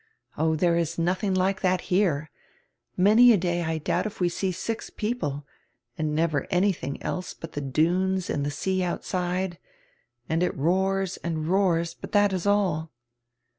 Oh, there is nothing like that here. Many a day I doubt if we see six people, and never anything else hut the dunes and tire sea outside. And it roars and roars, hut that is all."